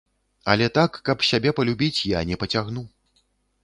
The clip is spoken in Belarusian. Але так, каб сябе палюбіць, я не пацягну.